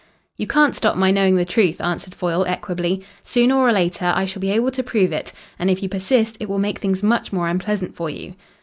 "You can't stop my knowing the truth," answered Foyle equably. "Sooner or later I shall be able to prove it. And if you persist it will make things much more unpleasant for you."